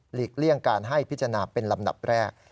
เลี่ยงการให้พิจารณาเป็นลำดับแรก